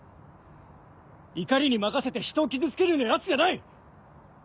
怒りに任せてひとを傷つけるようなヤツじゃない！